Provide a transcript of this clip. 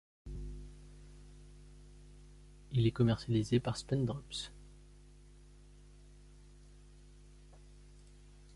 Il est commercialisé par Spendrups.